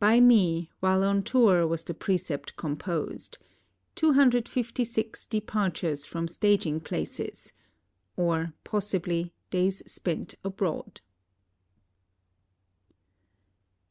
By (me) while on tour was the precept composed. 256 (?) departures from staging places (or possibly, days spent abroad).